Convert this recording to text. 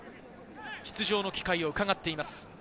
出場の機会をうかがっています。